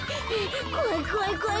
こわいこわいこわい！